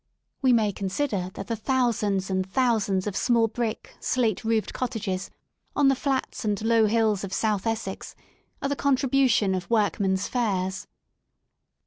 We may con sider that the thousands and thousands of small brick, slate roofed cottages on the flats and low hills of south Essex are the contribution of workmen's fares."